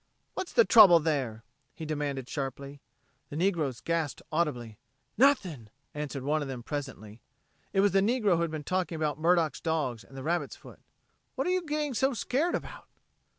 "What's the trouble there?" he demanded sharply. The negroes gasped audibly. "Nothin'," answered one of them presently. It was the negro who had been talking about Murdock's dogs and the rabbit's foot. "What are you getting scared about?"